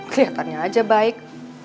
keliatannya aja baik